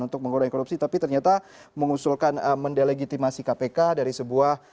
untuk mengurangi korupsi tapi ternyata mengusulkan mendelegitimasi kpk dari sebuah